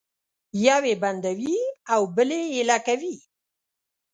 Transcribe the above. یو یې بندوي او بل یې ایله کوي